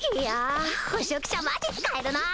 よし！